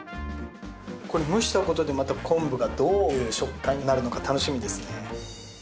これ蒸したことでまた昆布がどういう食感になるのか楽しみですね